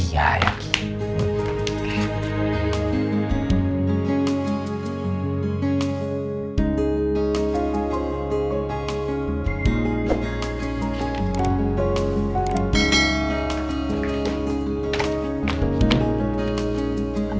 kayanya siapa yang pake kalimat ini pak